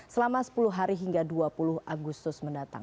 selama sepuluh hari hingga dua puluh agustus mendatang